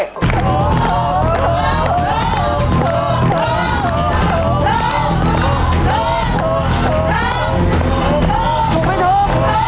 ถูกไม่ถูก